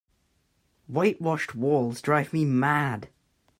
White washed walls drive me mad.